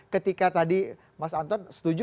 ketika tadi mas anton setuju